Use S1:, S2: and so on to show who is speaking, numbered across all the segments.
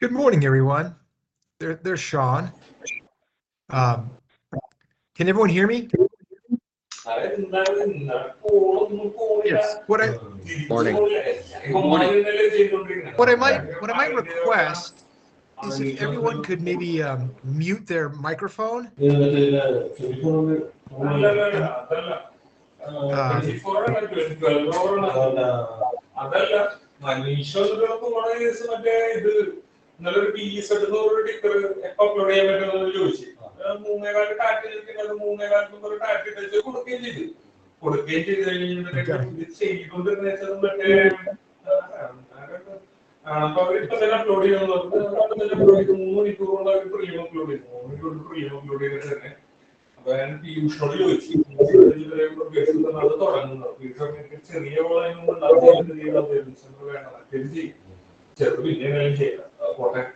S1: Good morning, everyone. There's Sean. Can everyone hear me? Yes.
S2: Morning.
S1: Morning. What I might request is if everyone could maybe mute their microphone. Yeah, I'm gonna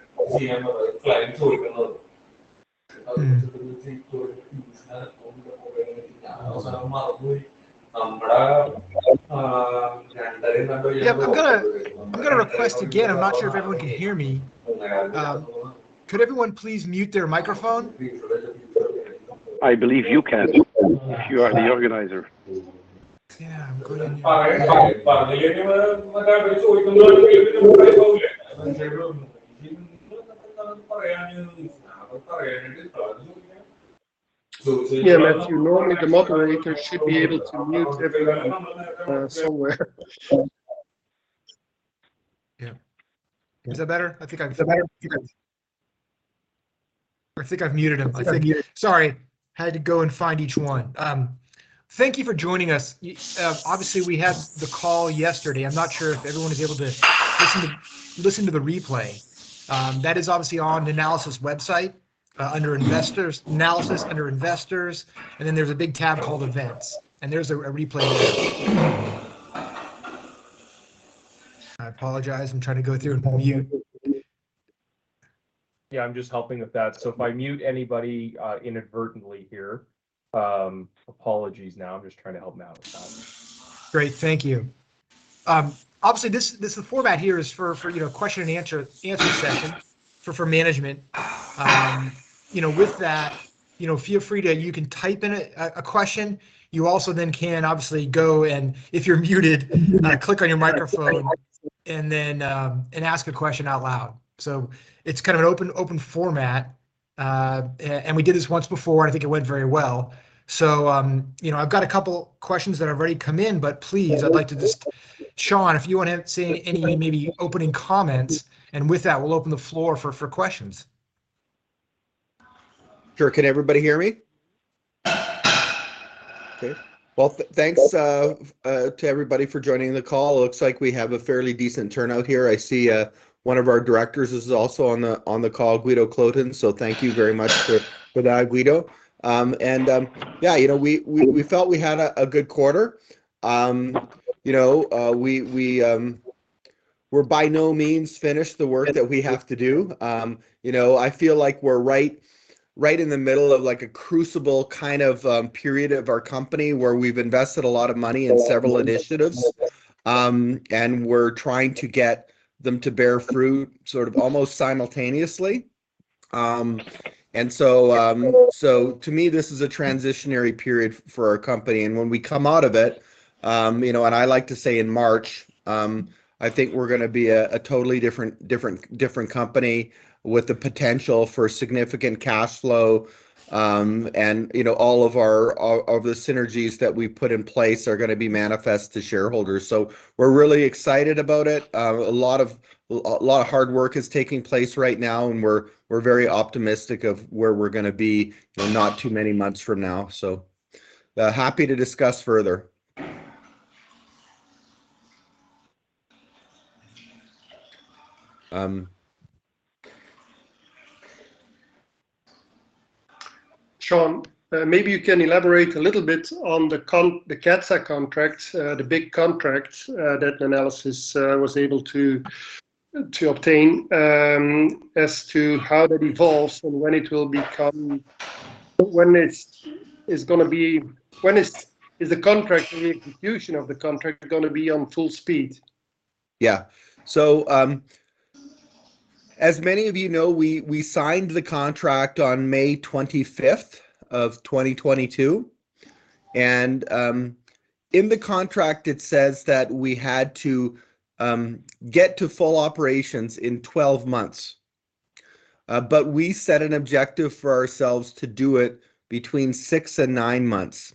S1: request again. I'm not sure if everyone can hear me. Could everyone please mute their microphone?
S2: I believe you can if you are the organizer.
S1: Yeah, I'm going to mute.
S2: Yeah, Matthew, normally the moderator should be able to mute everyone, somewhere.
S1: Yeah. Is that better?
S2: Is that better?
S1: I think I've muted them. Sorry, had to go and find each one. Thank you for joining us. Obviously we had the call yesterday. I'm not sure if everyone was able to listen to the replay. That is obviously on the Nanalysis website, under Investors... Nanalysis, under Investors, and then there's a big tab called Events, and there's a replay there. I apologize. I'm trying to go through and mute.
S2: Yeah, I'm just helping with that. If I mute anybody inadvertently here, apologies now. I'm just trying to help Matt with that.
S1: Great. Thank you. Obviously the format here is, you know, question and answer session for management. You know, with that, you know, feel free to. You can type in a question. You also then can obviously go and, if you're muted, click on your microphone and then, and ask a question out loud. It's kind of an open format. We did this once before, and I think it went very well. You know, I've got a couple questions that have already come in, but please, I'd like to just. Sean, if you wanna say any maybe opening comments, and with that we'll open the floor for questions.
S3: Sure. Can everybody hear me? Okay. Thanks to everybody for joining the call. It looks like we have a fairly decent turnout here. I see one of our directors is also on the call, Guido Cloetens, so thank you very much for that, Guido. Yeah, you know, we felt we had a good quarter. You know, we're by no means finished the work that we have to do. You know, I feel like we're right in the middle of, like, a crucible kind of period of our company, where we've invested a lot of money in several initiatives, and we're trying to get them to bear fruit sort of almost simultaneously. To me this is a transitionary period for our company, and when we come out of it, you know, and I like to say in March, I think we're gonna be a totally different company with the potential for significant cashflow. You know, all of our, all of the synergies that we've put in place are gonna be manifest to shareholders. We're really excited about it. A lot of hard work is taking place right now, and we're very optimistic of where we're gonna be, you know, not too many months from now. Happy to discuss further.
S1: Sean, maybe you can elaborate a little bit on the CATSA contract, the big contract, that Nanalysis was able to obtain, as to how that evolves and when is the contract and the execution of the contract gonna be on full speed?
S3: As many of you know, we signed the contract on May 25th, 2022. In the contract it says that we had to get to full operations in 12 months. We set an objective for ourselves to do it between six and nine months.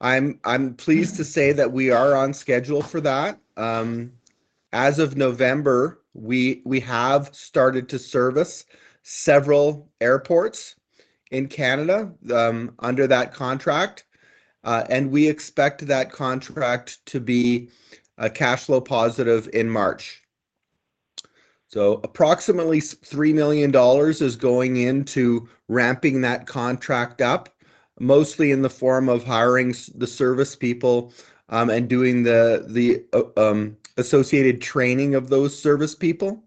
S3: I'm pleased to say that we are on schedule for that. As of November, we have started to service several airports in Canada under that contract. We expect that contract to be cash flow positive in March. Approximately 3 million dollars is going into ramping that contract up, mostly in the form of hiring the service people and doing the associated training of those service people.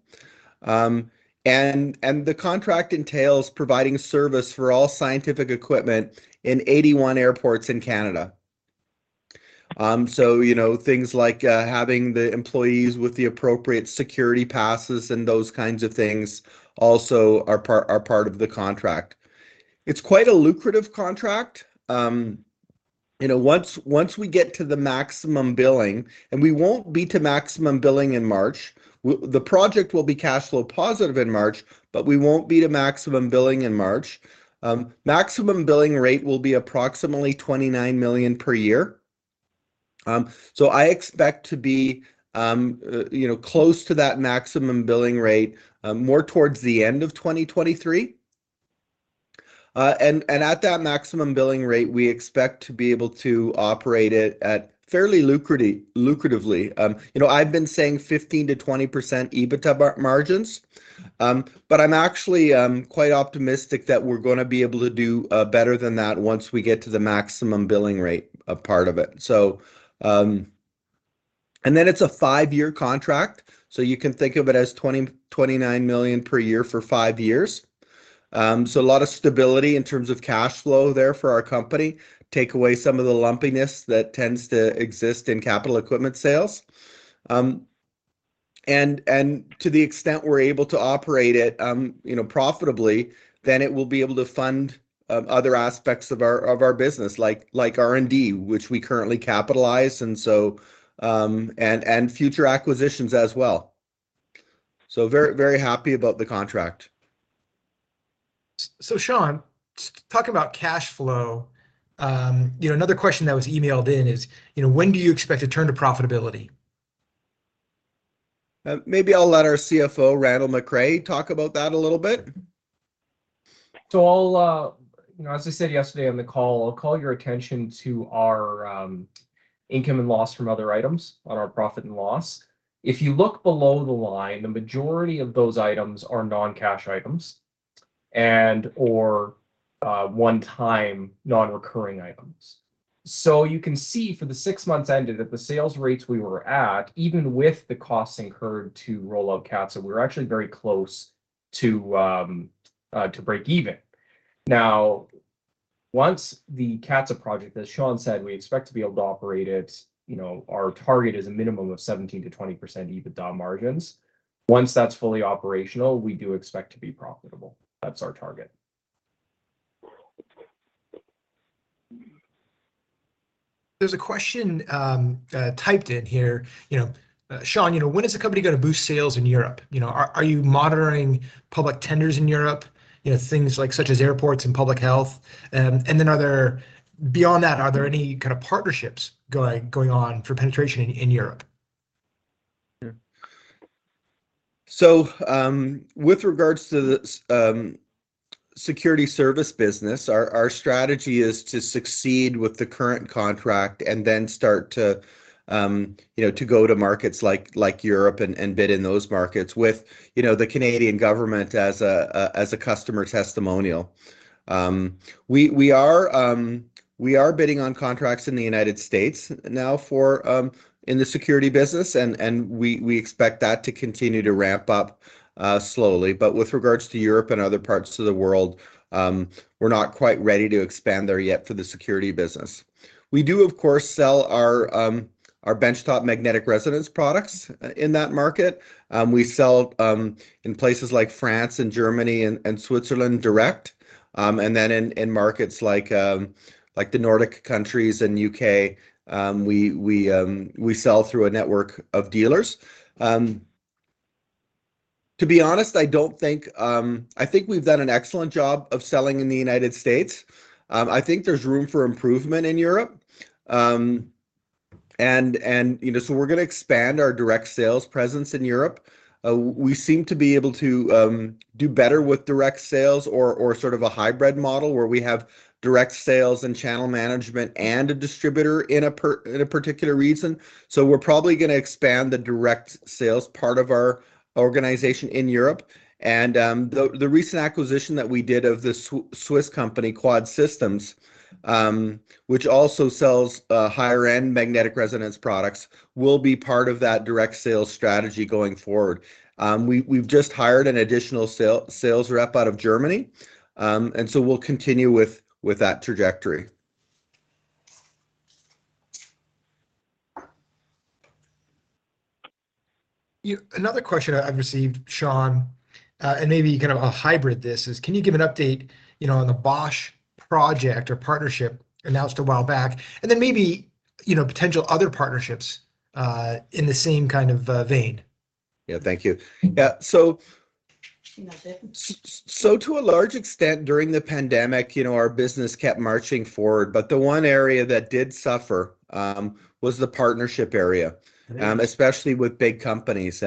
S3: The contract entails providing service for all scientific equipment in 81 airports in Canada. You know, things like having the employees with the appropriate security passes and those kinds of things also are part of the contract. It's quite a lucrative contract. You know, once we get to the maximum billing, and we won't be to maximum billing in March, the project will be cash flow positive in March, but we won't be to maximum billing in March. Maximum billing rate will be approximately 29 million per year. I expect to be, you know, close to that maximum billing rate, more towards the end of 2023. At that maximum billing rate, we expect to be able to operate it at fairly lucratively. you know, I've been saying 15%-20% EBITDA margins, but I'm actually quite optimistic that we're gonna be able to do better than that once we get to the maximum billing rate part of it. Then it's a five-year contract, so you can think of it as 20 million-29 million per year for five years. A lot of stability in terms of cash flow there for our company, take away some of the lumpiness that tends to exist in capital equipment sales. To the extent we're able to operate it, you know, profitably, then it will be able to fund other aspects of our business like R&D, which we currently capitalize, and future acquisitions as well. Very, very happy about the contract.
S1: Sean, talk about cashflow. You know, another question that was emailed in is, you know, when do you expect to turn to profitability?
S3: Maybe I'll let our CFO, Randall McRae, talk about that a little bit.
S4: I'll, you know, as I said yesterday on the call, I'll call your attention to our income and loss from other items on our profit and loss. If you look below the line, the majority of those items are non-cash items and/or one-time non-recurring items. You can see for the 6 months ended, at the sales rates we were at, even with the costs incurred to roll out CATSA, we're actually very close to breakeven. Once the CATSA project, as Sean said, we expect to be able to operate it, you know, our target is a minimum of 17%-20% EBITDA margins. Once that's fully operational, we do expect to be profitable. That's our target.
S1: There's a question, typed in here. You know, Sean, you know, when is the company gonna boost sales in Europe? You know, are you monitoring public tenders in Europe, you know, things like such as airports and public health? Beyond that, are there any kind of partnerships going on for penetration in Europe?
S3: Yeah. With regards to the security service business, our strategy is to succeed with the current contract and then start to, you know, to go to markets like Europe and bid in those markets with, you know, the Canadian government as a customer testimonial. We are bidding on contracts in the United States now for in the security business and we expect that to continue to ramp up slowly. With regards to Europe and other parts of the world, we're not quite ready to expand there yet for the security business. We do, of course, sell our benchtop magnetic resonance products in that market. We sell in places like France and Germany and Switzerland direct. In markets like the Nordic countries and UK, we sell through a network of dealers. To be honest, I don't think. I think we've done an excellent job of selling in the United States. I think there's room for improvement in Europe. You know, we're gonna expand our direct sales presence in Europe. We seem to be able to do better with direct sales or sort of a hybrid model where we have direct sales and channel management and a distributor in a particular region. We're probably gonna expand the direct sales part of our organization in Europe. The recent acquisition that we did of the Swiss company, Quad Systems, which also sells higher-end magnetic resonance products, will be part of that direct sales strategy going forward. We've just hired an additional sales rep out of Germany. We'll continue with that trajectory.
S1: Another question I've received, Sean, and maybe kind of a hybrid this, is can you give an update, you know, on the Bosch project or partnership announced a while back, and then maybe, you know, potential other partnerships in the same kind of vein?
S3: Yeah. Thank you. Yeah, You know, to a large extent during the pandemic, you know, our business kept marching forward, but the one area that did suffer, was the partnership area.
S1: Okay.
S3: Especially with big companies.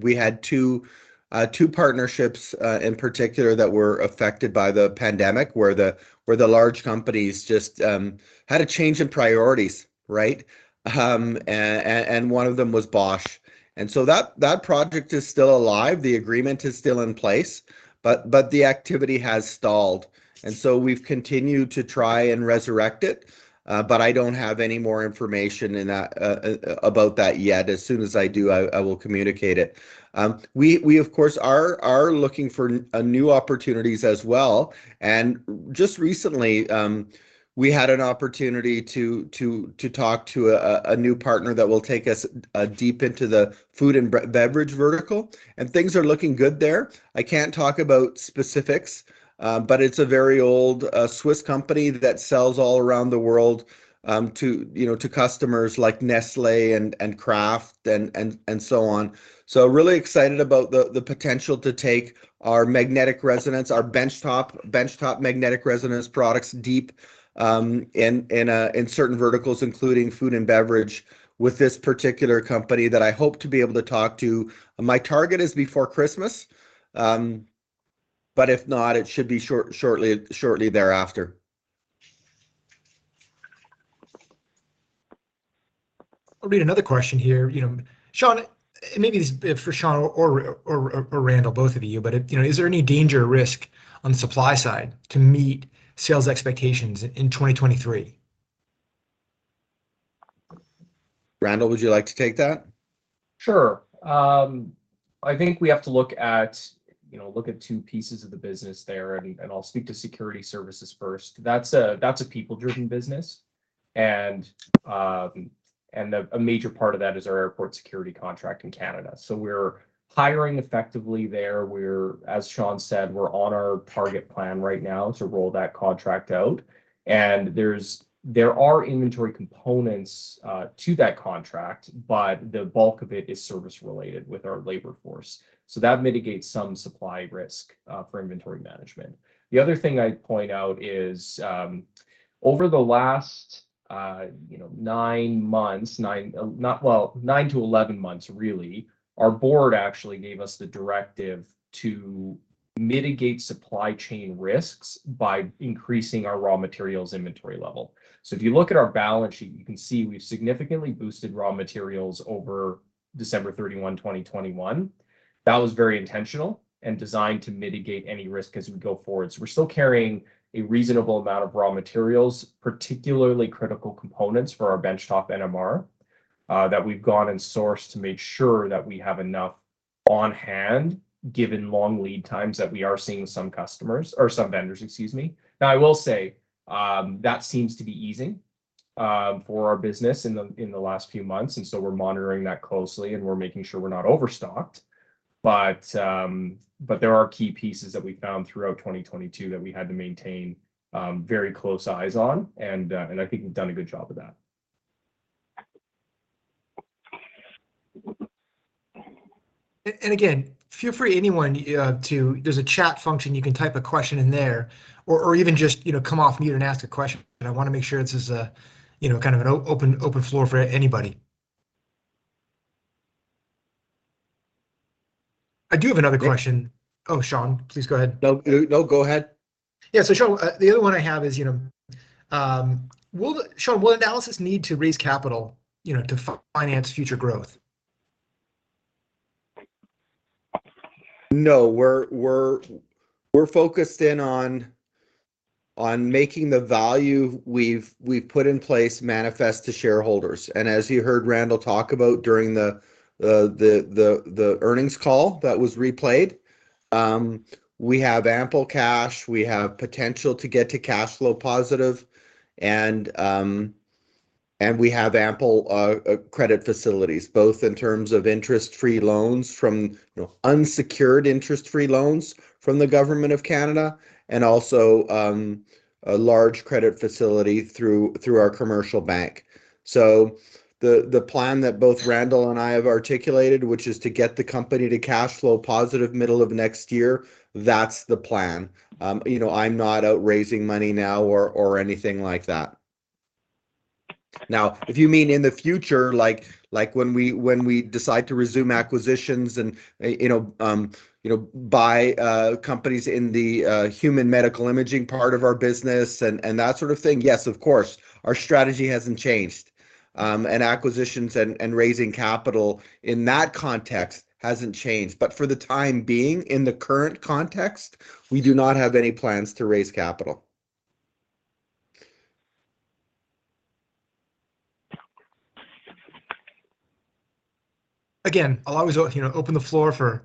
S3: We had two partnerships in particular that were affected by the pandemic where the large companies just had a change in priorities, right? One of them was Bosch. That project is still alive. The agreement is still in place, but the activity has stalled. We've continued to try and resurrect it, but I don't have any more information about that yet. As soon as I do, I will communicate it. We of course, are looking for new opportunities as well. Just recently, we had an opportunity to talk to a new partner that will take us deep into the food and beverage vertical, and things are looking good there. I can't talk about specifics, but it's a very old Swiss company that sells all around the world to, you know, to customers like Nestlé and Kraft and so on. Really excited about the potential to take our magnetic resonance, our bench top magnetic resonance products deep in certain verticals, including food and beverage with this particular company that I hope to be able to talk to. My target is before Christmas, if not, it should be shortly thereafter.
S1: I'll read another question here. You know, Sean, maybe this is for Sean or Randall, both of you, but, you know, is there any danger or risk on the supply side to meet sales expectations in 2023?
S3: Randall, would you like to take that?
S4: Sure. I think we have to look at, you know, look at two pieces of the business there, I'll speak to security services first. That's a, that's a people-driven business, a major part of that is our airport security contract in Canada. We're hiring effectively there. We're, as Sean said, we're on our target plan right now to roll that contract out. There are inventory components to that contract, but the bulk of it is service related with our labor force. That mitigates some supply risk for inventory management. The other thing I'd point out is, over the last, you know, nine months, 9 to 11 months really, our board actually gave us the directive to mitigate supply chain risks by increasing our raw materials inventory level. If you look at our balance sheet, you can see we've significantly boosted raw materials over December 31, 2021. That was very intentional and designed to mitigate any risk as we go forward. We're still carrying a reasonable amount of raw materials, particularly critical components for our benchtop NMR that we've gone and sourced to make sure that we have enough on hand given long lead times that we are seeing some customers or some vendors, excuse me. I will say that seems to be easing for our business in the, in the last few months, and we're monitoring that closely, and we're making sure we're not overstocked. There are key pieces that we found throughout 2022 that we had to maintain very close eyes on. I think we've done a good job of that.
S1: Again, feel free anyone, to. There's a chat function, you can type a question in there or even just, you know, come off mute and ask a question. I wanna make sure this is a, you know, kind of an open floor for anybody. I do have another question. Yeah.
S3: Oh, Sean, please go ahead. No, no. Go ahead.
S1: Yeah. Sean, the other one I have is, you know, Sean, will Nanalysis need to raise capital, you know, to finance future growth?
S3: No. We're focused in on making the value we've put in place manifest to shareholders. As you heard Randall talk about during the earnings call that was replayed, we have ample cash, we have potential to get to cash flow positive, and we have ample credit facilities, both in terms of interest-free loans from, you know, unsecured interest-free loans from the Government of Canada, and also a large credit facility through our commercial bank. The plan that both Randall and I have articulated, which is to get the company to cash flow positive middle of next year, that's the plan. You know, I'm not out raising money now or anything like that. Now, if you mean in the future, like when we decide to resume acquisitions and, you know, you know, buy companies in the human medical imaging part of our business and that sort of thing, yes, of course, our strategy hasn't changed. Acquisitions and raising capital in that context hasn't changed. For the time being in the current context, we do not have any plans to raise capital.
S1: Again, I'll always you know, open the floor for,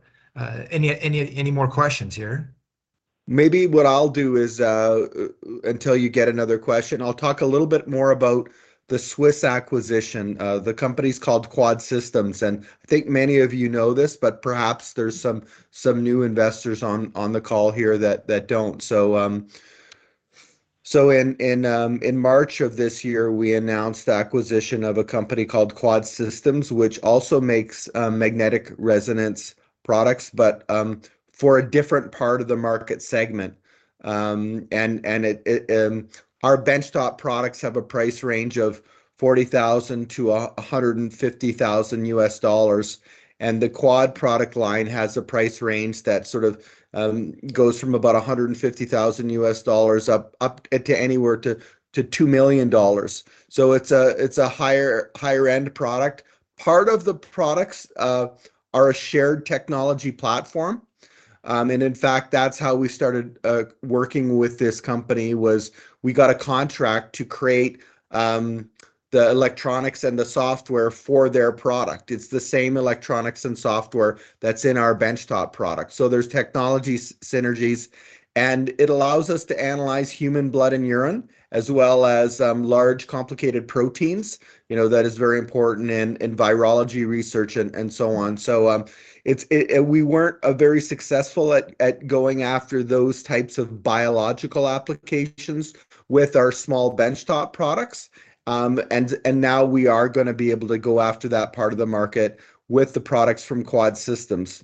S1: any more questions here.
S3: Maybe what I'll do is, until you get another question, I'll talk a little bit more about the Swiss acquisition. The company's called Quad Systems. I think many of you know this, but perhaps there's some new investors on the call here that don't. In March of this year, we announced the acquisition of a company called Quad Systems, which also makes magnetic resonance products, for a different part of the market segment. Our benchtop products have a price range of $40,000-$150,000, and the Quad product line has a price range that sort of goes from about $150,000 up to anywhere to $2 million. It's a higher-end product. Part of the products are a shared technology platform. In fact, that's how we started working with this company was we got a contract to create the electronics and the software for their product. It's the same electronics and software that's in our benchtop product. There's technology synergies, and it allows us to analyze human blood and urine, as well as, large complicated proteins, you know, that is very important in virology research and so on. We weren't very successful at going after those types of biological applications with our small benchtop products, now we are gonna be able to go after that part of the market with the products from Quad Systems.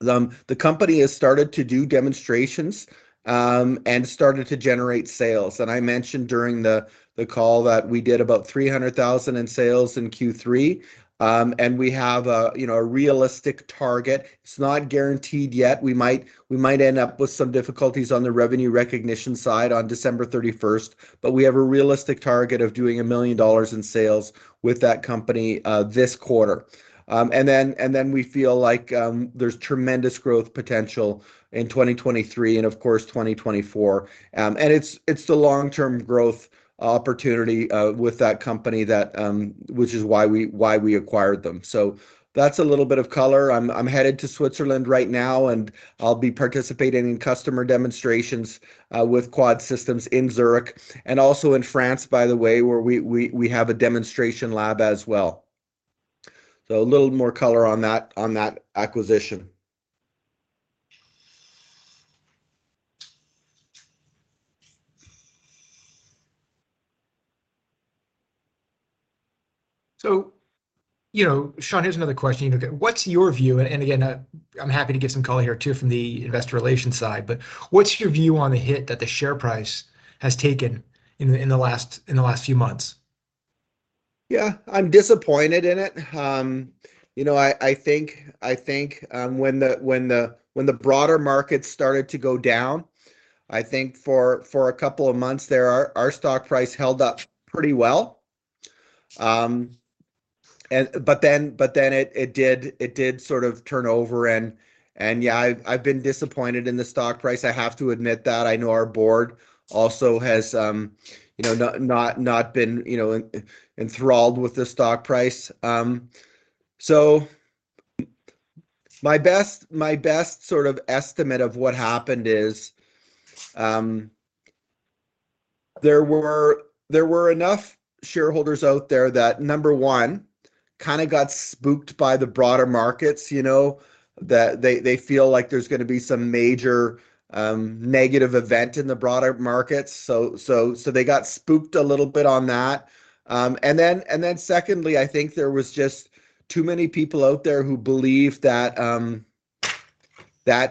S3: The company has started to do demonstrations, and started to generate sales. I mentioned during the call that we did about 300,000 in sales in Q3, and we have a, you know, a realistic target. It's not guaranteed yet. We might end up with some difficulties on the revenue recognition side on December 31st. We have a realistic target of doing 1 million dollars in sales with that company this quarter. We feel like there's tremendous growth potential in 2023 and, of course, 2024. It's the long-term growth opportunity with that company that, which is why we acquired them. That's a little bit of color. I'm headed to Switzerland right now, and I'll be participating in customer demonstrations, with Quad Systems in Zurich and also in France, by the way, where we have a demonstration lab as well. A little more color on that, on that acquisition.
S1: You know, Sean, here's another question. What's your view, and again, I'm happy to give some color here too from the investor relations side, but what's your view on the hit that the share price has taken in the last few months?
S3: Yeah, I'm disappointed in it. You know, I think, I think when the broader market started to go down, I think for a couple of months there our stock price held up pretty well. It did sort of turn over and yeah, I've been disappointed in the stock price. I have to admit that. I know our board also has, you know, not been, you know, enthralled with the stock price. My best sort of estimate of what happened is, there were enough shareholders out there that, number one, kind of got spooked by the broader markets, you know, that they feel like there's gonna be some major, negative event in the broader markets. They got spooked a little bit on that. Then secondly, I think there was just too many people out there who believed that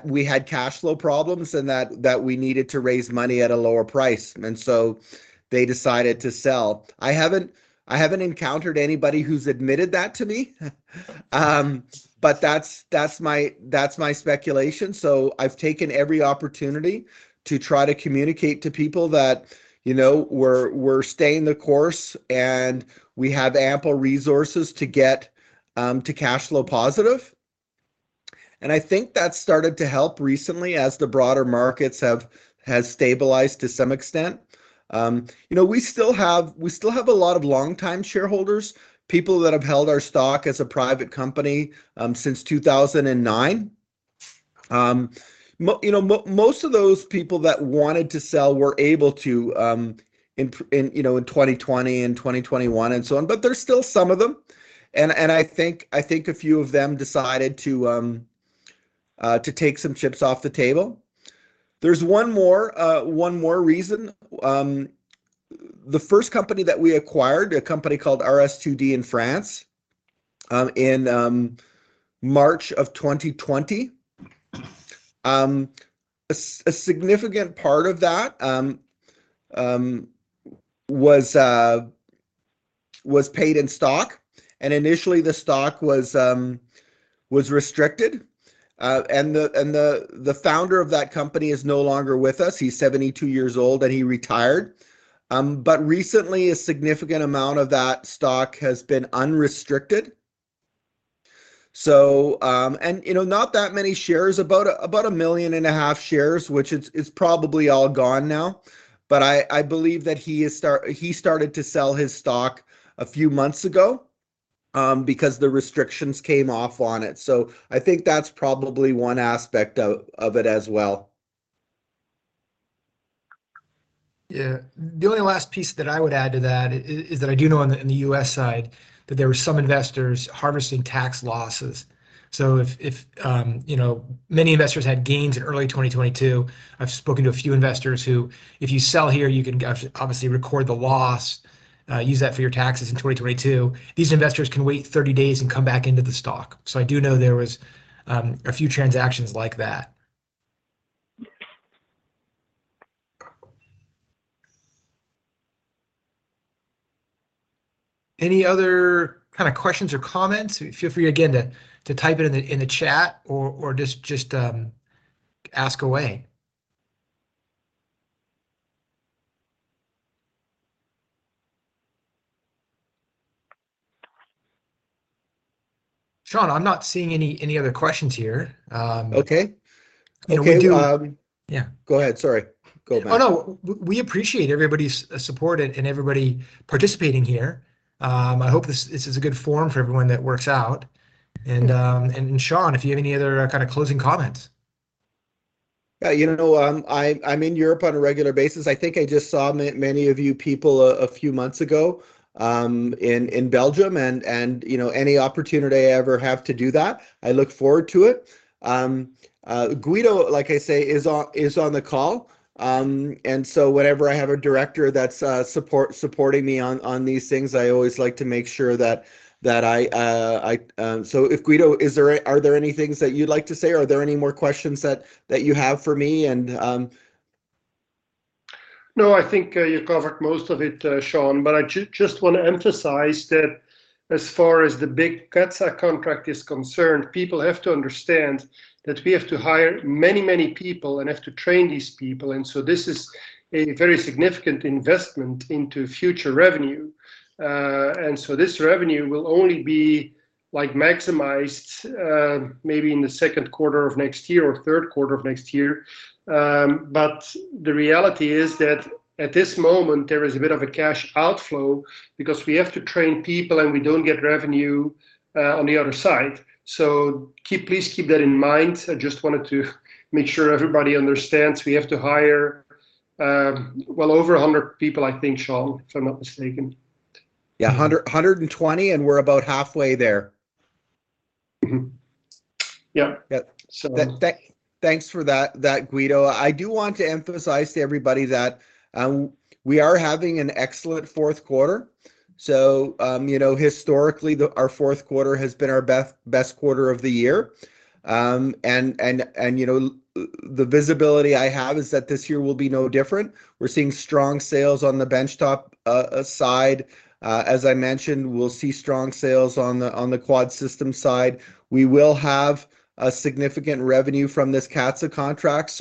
S3: we had cash flow problems and that we needed to raise money at a lower price, and they decided to sell. I haven't encountered anybody who's admitted that to me, but that's my speculation. I've taken every opportunity to try to communicate to people that, you know, we're staying the course, and we have ample resources to get to cash flow positive, and I think that started to help recently as the broader markets have, has stabilized to some extent. you know, we still have a lot of longtime shareholders, people that have held our stock as a private company since 2009. you know, most of those people that wanted to sell were able to, you know, in 2020 and 2021 and so on, but there's still some of them and I think a few of them decided to take some chips off the table. There's one more reason. The first company that we acquired, a company called RS2D in France, in March of 2020, a significant part of that was paid in stock, and initially the stock was restricted. The founder of that company is no longer with us. He's 72 years old, and he retired. Recently a significant amount of that stock has been unrestricted. You know, not that many shares, about 1,500,000 shares, which it's probably all gone now. I believe that he started to sell his stock a few months ago, because the restrictions came off on it. I think that's probably one aspect of it as well.
S1: Yeah. The only last piece that I would add to that is that I do know in the US side that there were some investors harvesting tax losses. If, you know, many investors had gains in early 2022, I've spoken to a few investors who, if you sell here, you can go obviously record the loss, use that for your taxes in 2022. These investors can wait 30 days and come back into the stock. I do know there was a few transactions like that. Any other kinda questions or comments? Feel free again, to type it in the chat or just ask away. Sean, I'm not seeing any other questions here.
S3: Okay.
S1: You know.
S3: Okay.
S1: Yeah.
S3: Go ahead. Sorry. Go, Matt.
S1: Oh, no. We appreciate everybody's support and everybody participating here. I hope this is a good forum for everyone that works out. Sean, if you have any other kinda closing comments.
S3: Yeah. You know, I'm in Europe on a regular basis. I think I just saw many of you people a few months ago, in Belgium. You know, any opportunity I ever have to do that, I look forward to it. Guido, like I say, is on the call. Whenever I have a director that's supporting me on these things, I always like to make sure that I... If Guido, are there any things that you'd like to say? Are there any more questions that you have for me?
S2: No, I think you covered most of it, Sean. I just wanna emphasize that as far as the big CATSA contract is concerned, people have to understand that we have to hire many, many people and have to train these people. This is a very significant investment into future revenue. This revenue will only be, like, maximized maybe in the second quarter of next year or third quarter of next year. The reality is that at this moment, there is a bit of a cash outflow because we have to train people, and we don't get revenue on the other side. Please keep that in mind. I just wanted to make sure everybody understands we have to hire well over 100 people, I think, Sean, if I'm not mistaken.
S3: Yeah. 100, 120, and we're about halfway there.
S2: Mm-hmm. Yeah.
S3: Yep.
S2: So-
S3: Thanks for that, Guido Cloetens. I do want to emphasize to everybody that we are having an excellent fourth quarter. You know, historically, the, our fourth quarter has been our best quarter of the year. And, you know, the visibility I have is that this year will be no different. We're seeing strong sales on the benchtop side. As I mentioned, we'll see strong sales on the, on the Quad Systems side. We will have a significant revenue from this CATSA contract.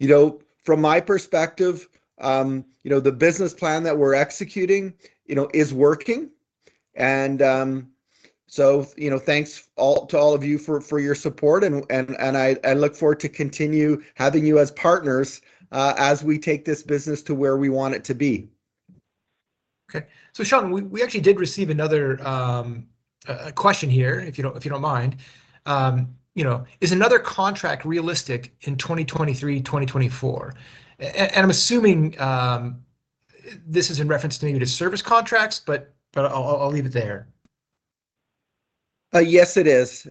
S3: You know, from my perspective, you know, the business plan that we're executing, you know, is working. You know, thanks all, to all of you for your support and I look forward to continue having you as partners, as we take this business to where we want it to be.
S1: Sean, we actually did receive another, a question here, if you don't mind. You know, is another contract realistic in 2023, 2024? I'm assuming, this is in reference to maybe the service contracts, but I'll leave it there.
S3: Yes, it is.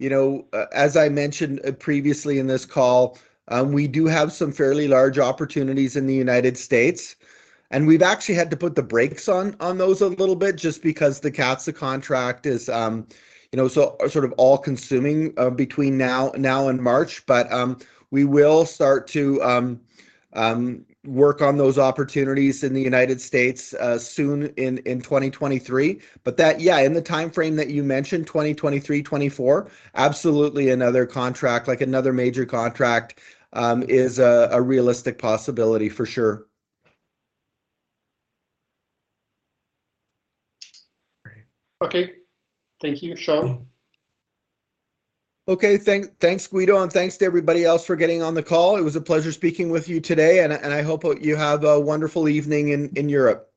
S3: You know, as I mentioned, previously in this call, we do have some fairly large opportunities in the United States, and we've actually had to put the brakes on those a little bit just because the CATSA contract is, you know, so, sort of all-consuming, between now and March. We will start to work on those opportunities in the United States, soon in 2023. That, yeah, in the timeframe that you mentioned, 2023-2024, absolutely another contract, like, another major contract, is a realistic possibility for sure.
S1: Great.
S2: Okay. Thank you, Sean.
S3: Okay. Thanks, Guido, and thanks to everybody else for getting on the call. It was a pleasure speaking with you today, and I hope you have a wonderful evening in Europe.